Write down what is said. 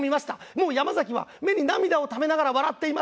もう山崎は目に涙をためながら笑っています。